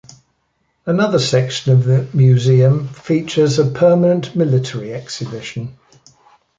Another section of the museum features a permanent military exhibition.